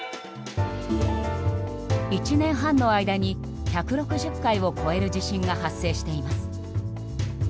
１年半の間に１６０回を超える地震が発生しています。